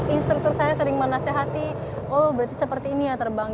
instruktur saya sering menasehati oh berarti seperti ini ya terbang